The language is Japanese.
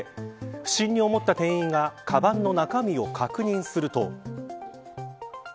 不審に思った店員がかばんの中身を確認すると。